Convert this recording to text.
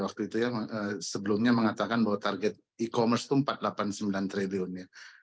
waktu itu ya sebelumnya mengatakan bahwa target e commerce itu empat ratus delapan puluh sembilan triliun ya